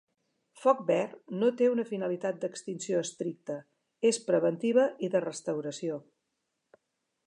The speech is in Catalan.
Foc Verd no té una finalitat d’extinció estricta, és preventiva i de restauració.